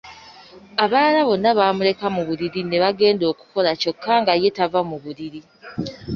Abalala bonna bamuleka mu buliri ne bagenda okukola kyokka nga ye tava mu buliri.